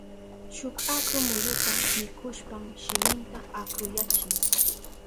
Shuk akru muyuta mikushpan shiminta akruyachin.